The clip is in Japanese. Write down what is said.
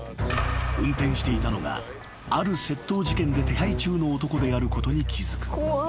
［運転していたのがある窃盗事件で手配中の男であることに気付く］